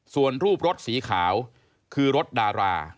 ส่วนรูปรถสีขาวคือรถดารา